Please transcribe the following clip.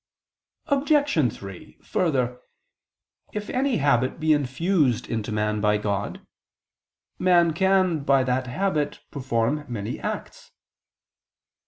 Obj. 3: Further, if any habit be infused into man by God, man can by that habit perform many acts.